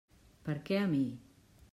Per què a mi?